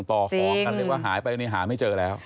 คำเรียกว่าหายไปหายไม่เจอแล้ว